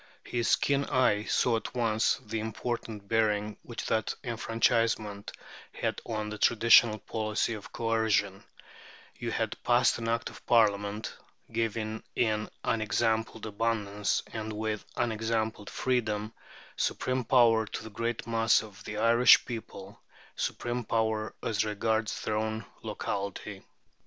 His keen eye saw at once the important bearing which that enfranchisement had on the traditional policy of coercion: "You had passed an Act of Parliament, giving in unexampled abundance, and with unexampled freedom, supreme power to the great mass of the Irish people supreme power as regards their own locality....